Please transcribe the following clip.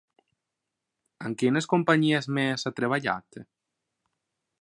Amb quines companyies més ha treballat?